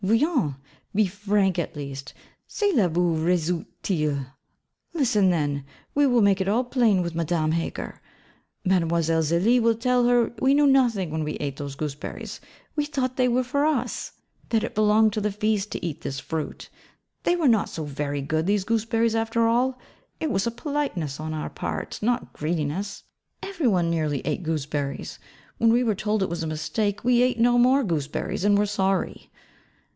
Voyons: be frank; at least: cela vous réussit il? Listen then: we will make it all plain with Madame Heger. Mlle. Zélie will tell her we knew nothing when we ate those gooseberries; we thought they were there for us that it belonged to the feast to eat this fruit: they were not so very good, these gooseberries after all: it was a politeness on our part, not greediness. Every one nearly ate gooseberries. When we were told it was a mistake, we ate no more gooseberries, and were sorry.